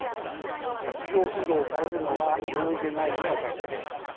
企業風土を変えるのは容易でないのは確かです。